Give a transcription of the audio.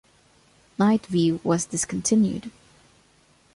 Night View was discontinued.